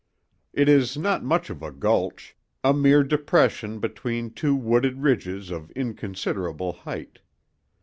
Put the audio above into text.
It is not much of a gulch—a mere depression between two wooded ridges of inconsiderable height.